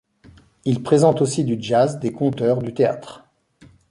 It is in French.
Il présente aussi du jazz, des conteurs, du théâtre.